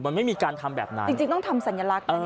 มันไม่มีการทำแบบนั้นจริงต้องทำสัญลักษณ์